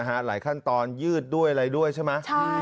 หลายขั้นตอนยืดด้วยอะไรด้วยใช่ไหม